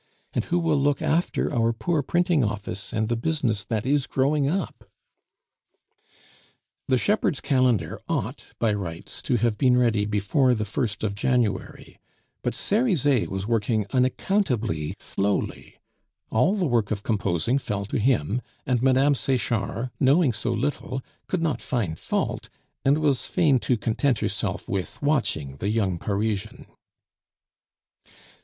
And who will look after our poor printing office and the business that is growing up?" The Shepherd's Calendar ought by rights to have been ready before the 1st of January, but Cerizet was working unaccountably slowly; all the work of composing fell to him; and Mme. Sechard, knowing so little, could not find fault, and was fain to content herself with watching the young Parisian.